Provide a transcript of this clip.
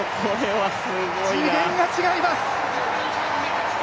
次元が違います。